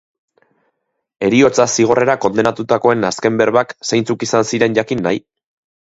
Heriotza zigorrera kondenatutakoen azken berbak zeintzuk izan ziren jakin nahi?